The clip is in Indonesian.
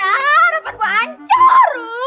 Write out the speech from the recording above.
harapan gua ancur